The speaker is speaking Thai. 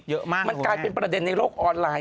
เยอะมากมันกลายเป็นประเด็นในโลกออนไลน์